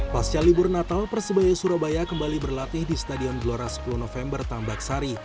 pasca libur natal persebaya surabaya kembali berlatih di stadion gelora sepuluh november tambak sari